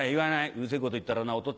「うるせぇこと言ったらなおと